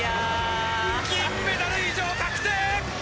銀メダル以上確定！